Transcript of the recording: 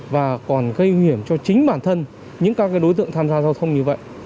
và còn gây nguy hiểm cho chính bản thân những các đối tượng tham gia giao thông như vậy